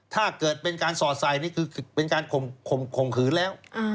ถ้าเกิดเป็นการสอดใส่นี่คือเป็นการข่มขืนแล้ว